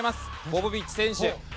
ポポビッチ選手。